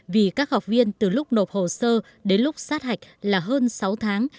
vì các học viên từ lúc nộp hồ sơ đến lúc sát hạch là hơn sáu tháng